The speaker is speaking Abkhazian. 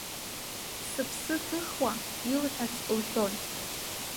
Сыԥсы ҭыхуа, илҳәац лҳәон.